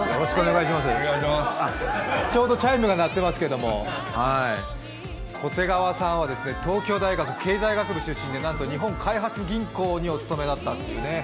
ちょうどチャイムが鳴っていますけれども小手川さんはですね、東京大学経済学部出身で、なんと日本開発銀行にお勤めだったというね。